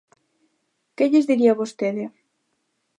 ¿Que lles diría vostede?